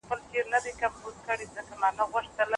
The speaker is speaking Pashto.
هغوی خپل وېښتان مینځي.